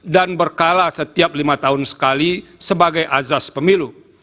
dan berkala setiap lima tahun sekali sebagai azas pemilu